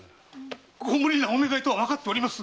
ご無理なお願いとわかってます。